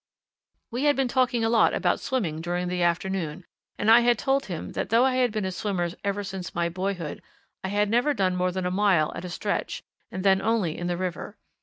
We had been talking a lot about swimming during the afternoon, and I had told him that though I had been a swimmer ever since boyhood, I had never done more than a mile at a stretch, and then only in the river.